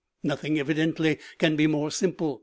Nothing evidently, can be more simple.